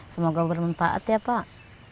semoga bermanfaat ya pak